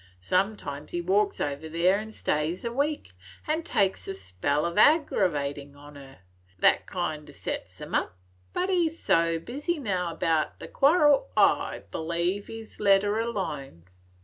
Sometimes he walks over there an' stays a week, an' takes a spell o' aggravatin' on 'er, that kind o' sets him up, but he 's so busy now 'bout the quarrel 't I b'lieve he lets her alone."